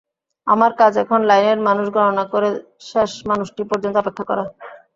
আমার কাজ এখন লাইনের মানুষ গণনা করে শেষ মানুষটি পর্যন্ত অপেক্ষা করা।